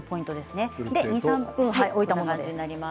２、３分置いたものです。